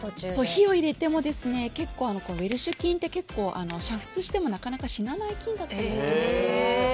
火を入れても、結構ウェルシュ菌って、煮沸してもなかなか死なない菌だったりするんです。